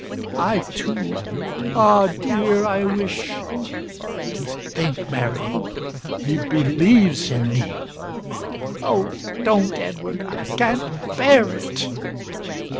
"I, too. Ah, dear, I wish " "To think, Mary he believes in me." "Oh, don't, Edward I can't bear it."